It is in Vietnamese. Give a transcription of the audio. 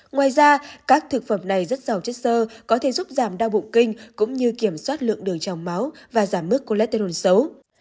ngoài ra các thực phẩm này rất sầu chất sơ có thể giúp giảm đau bụng kinh cũng như kiểm soát lượng đường trong máu và giảm mức cô lét tên hồn xấu